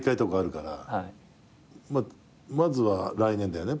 まずは来年だよね。